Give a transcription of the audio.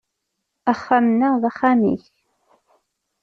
Axxam-nneɣ d axxam-ik.